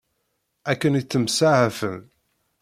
Akken ittemsaɛafen.